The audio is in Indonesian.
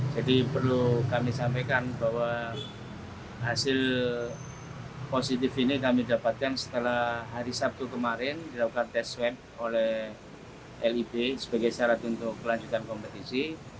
jadi perlu kami sampaikan bahwa hasil positif ini kami dapatkan setelah hari sabtu kemarin dilakukan tes swab oleh lib sebagai syarat untuk kelanjutan kompetisi